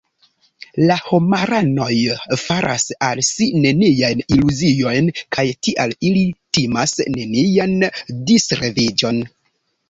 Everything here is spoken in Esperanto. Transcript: La homaranoj faras al si neniajn iluziojn kaj tial ili timas nenian disreviĝon.